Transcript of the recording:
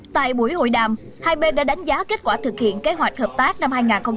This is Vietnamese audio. tại buổi hội đàm hai bên đã đánh giá kết quả thực hiện kế hoạch hợp tác năm hai nghìn hai mươi